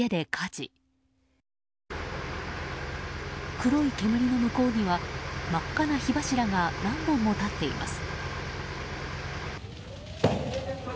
黒い煙の向こうには真っ赤な火柱が何本も立っています。